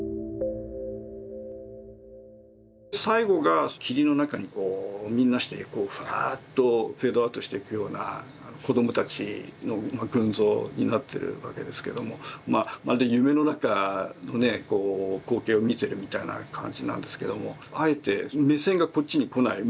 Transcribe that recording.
最後が霧の中にみんなしてふわっとフェードアウトしていくような子どもたちの群像になってるわけですけどもまるで夢の中のね光景を見てるみたいな感じなんですけどもあえて目線がこっちにこない。